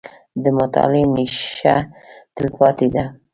• د مطالعې نیشه، تلپاتې ده.